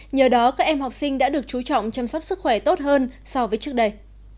nhờ đó các em học sinh đã được chú trọng chăm sóc sức khỏe tốt hơn so với trước đây